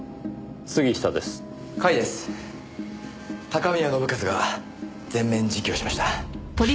高宮信一が全面自供しました。